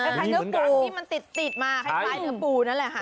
ไข่เนื้อปูที่มันติดติดมาไข่ไข่เนื้อปูนั่นแหละฮะเออ